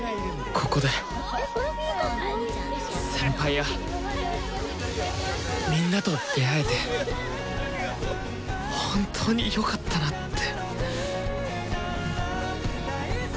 ここで先輩やみんなと出会えて本当によかったなって。